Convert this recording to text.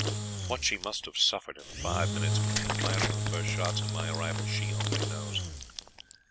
What she must have suffered in the five minutes between the firing of the first shots and my arrival, she only knows.